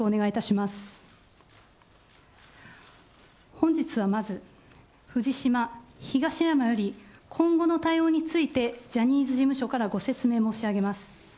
本日はまず、藤島、東山より、今後の対応についてジャニーズ事務所からご説明申し上げます。